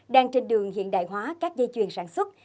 đang trên đường hiện đại hóa các dây chuyền sản xuất